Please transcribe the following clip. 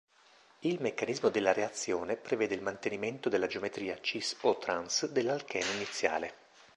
Il meccanismo della reazione prevede il mantenimento della geometria "cis" o "trans" dell'alchene iniziale.